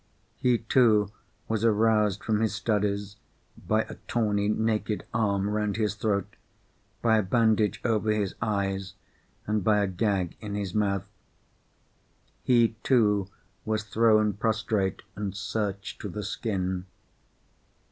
He too was aroused from his studies by a tawny naked arm round his throat, by a bandage over his eyes, and by a gag in his mouth. He too was thrown prostrate and searched to the skin.